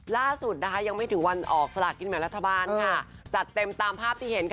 ล่าสุดนะคะยังไม่ถึงวันออกสลากกินแบ่งรัฐบาลค่ะจัดเต็มตามภาพที่เห็นค่ะ